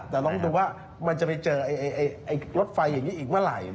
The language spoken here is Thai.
แต่ลองดูว่ามันจะไปเจอรถไฟอย่างนี้อีกเมื่อไหร่